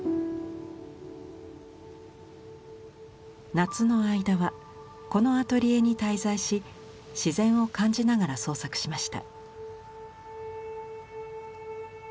夏の間はこのアトリエに滞在し自然を感じながら創作しました。